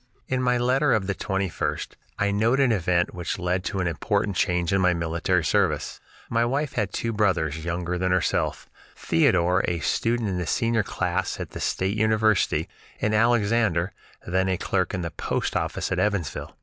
In my letter of the 21st I note an event which led to an important change in my military service. My wife had two brothers, younger than herself, Theodore, a student in the senior class at the State University, and Alexander, then a clerk in the post office at Evansville.